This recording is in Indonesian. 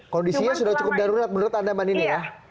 kondisinya sudah cukup darurat menurut anda mbak nini ya